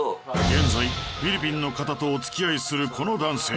現在フィリピンの方とお付き合いするこの男性